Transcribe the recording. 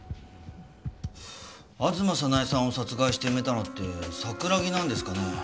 吾妻早苗さんを殺害して埋めたのって桜木なんですかね？